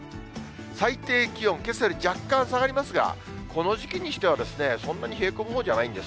最低気温、けさより若干下がりますが、この時期にしてはそんなに冷え込むほうじゃないんです。